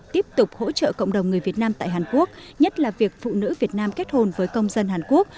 tiếp tục hỗ trợ cộng đồng người việt nam tại hàn quốc nhất là việc phụ nữ việt nam kết hôn với công dân hàn quốc